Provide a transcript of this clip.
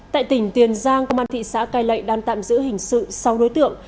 tại tỉnh tiền giang công an thị xã cai lệ đang tạm giữ hình sự sáu đối tượng